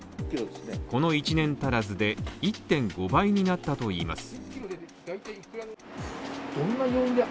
この１年足らずで１．５倍になったといいます。